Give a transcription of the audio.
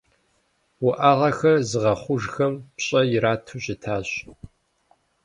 Уӏэгъэхэр зыгъэхъужхэм пщӏэ ирату щытащ.